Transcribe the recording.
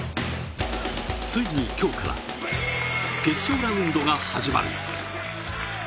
ついに今日から決勝ラウンドが始まる。